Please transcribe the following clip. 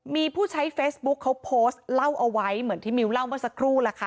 มีผู้ใช้เฟซบุ๊คเขาโพสต์เล่าเอาไว้เหมือนที่มิวเล่าเมื่อสักครู่ล่ะค่ะ